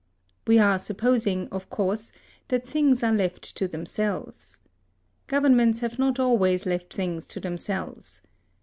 We are supposing, of course, that things are left to themselves. Governments have not always left things to themselves.